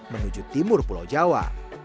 menuju timur pulau jawa